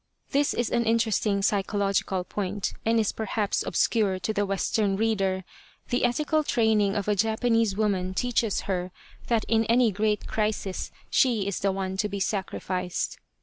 This is an interesting psychological point, and is perhaps obscure to the Western reader. The ethical training of a Japanese woman teaches her that in any great crisis she is the one to be sacrificed.